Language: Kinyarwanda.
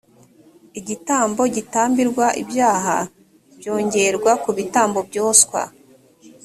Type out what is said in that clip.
igitambo gitambirwa ibyaha byongerwe ku bitambo byoswa